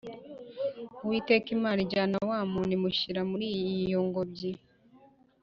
Uwiteka Imana ijyana wa muntu, imushyira muri iyo ngobyi